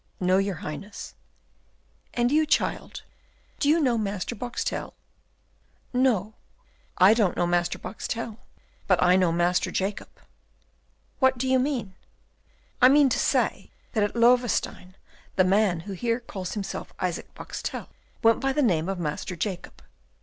"No, your Highness!" "And you, child, do you know Master Boxtel?" "No, I don't know Master Boxtel, but I know Master Jacob." "What do you mean?" "I mean to say that at Loewestein the man who here calls himself Isaac Boxtel went by the name of Master Jacob."